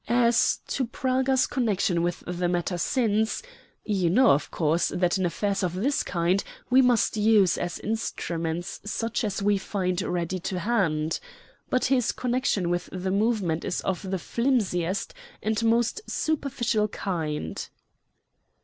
As to Praga's connection with the matter since, you know, of course, that in affairs of this kind we must use as instruments such as we find ready to hand. But his connection with the movement is of the flimsiest and most superficial kind."